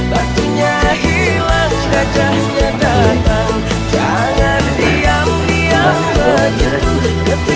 masih di jalan tumaritis